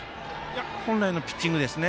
本来のピッチングですね